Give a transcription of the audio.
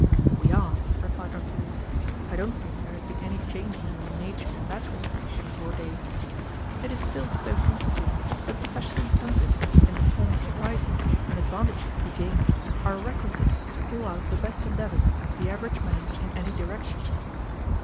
"We are," replied Dr. Leete. "I don't think there has been any change in human nature in that respect since your day. It is still so constituted that special incentives in the form of prizes, and advantages to be gained, are requisite to call out the best endeavors of the average man in any direction."